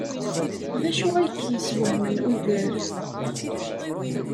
D acu ay k-yeswehmen ugar?